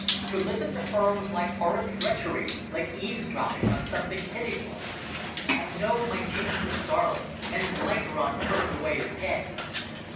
To listen to her was like horrid treachery, like eavesdropping on something pitiful. I know my cheeks grew scarlet and Blenkiron turned away his head.